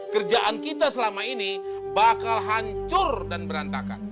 kerjaan kita selama ini bakal hancur dan berantakan